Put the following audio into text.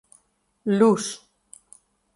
Luz